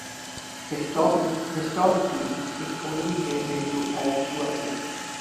Historically it only drained into Alachua Sink.